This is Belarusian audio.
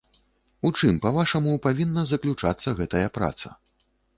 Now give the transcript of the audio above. У чым, па-вашаму, павінна заключацца гэтая праца?